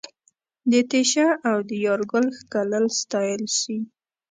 د تېشه او د یارګل ښکلل ستایل سي